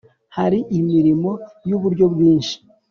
Hari imirimo y uburyo bwinshi